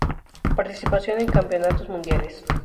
Participación en Campeonatos Mundiales